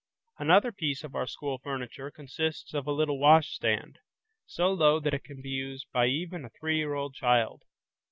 Another piece of our school furniture consists of a little washstand, so low that it can be used by even a three year old child.